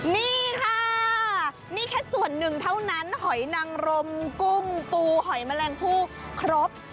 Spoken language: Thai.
นี่ค่ะนี่แค่ส่วนหนึ่งเท่านั้นหอยนังรมกุ้งปูหอยแมลงผู้ครบ